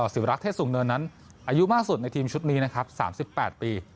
ศิวรักษ์เทศสูงเนินนั้นอายุมากสุดในทีมชุดนี้นะครับ๓๘ปี